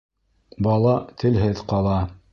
Бала телһеҙ ҡала.